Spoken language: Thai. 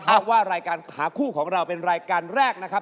เพราะว่ารายการหาคู่ของเราเป็นรายการแรกนะครับ